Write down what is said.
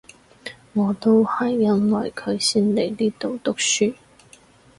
我都係因為佢先嚟呢度讀書